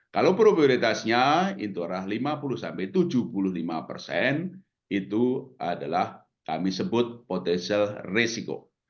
kalau prioritasnya itu adalah lima puluh tujuh puluh lima persen itu adalah kami sebut potensial resiko